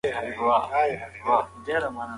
د باغچې حاصلات به یوازې په غریبانو باندې وېشل کیږي.